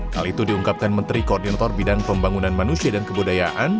hal itu diungkapkan menteri koordinator bidang pembangunan manusia dan kebudayaan